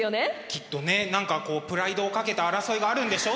きっとね何かプライドを懸けた争いがあるんでしょ？